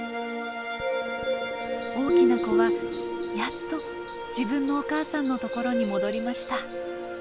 大きな子はやっと自分のお母さんのところに戻りました。